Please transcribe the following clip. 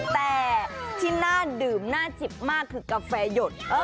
แต่ที่น่าดื่มน่าจิบมากคือกาแฟหยด